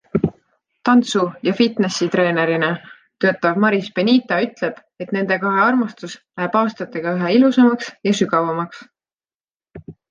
Tantsu- ja fitnessitreenerina töötav Maris Benita ütleb, et nende kahe armastus läheb aastatega üha ilusamaks ja sügavamaks.